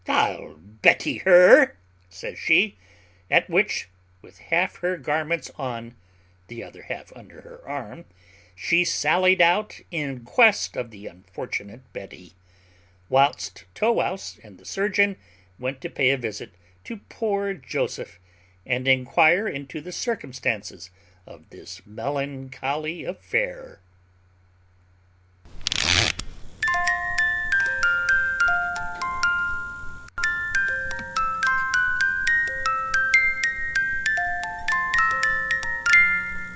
"I'll Betty her," says she. At which, with half her garments on, the other half under her arm, she sallied out in quest of the unfortunate Betty, whilst Tow wouse and the surgeon went to pay a visit to poor Joseph, and inquire into the circumstances of this melancholy affair.